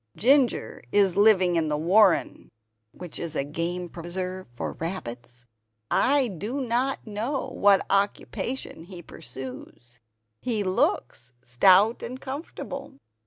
Ginger is living in the warren [game preserve for rabbits]. I do not know what occupation he pursues; he looks stout and comfortable.